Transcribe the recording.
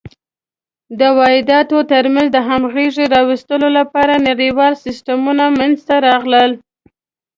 د واحداتو تر منځ د همغږۍ راوستلو لپاره نړیوال سیسټمونه منځته راغلل.